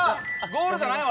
ゴールじゃない？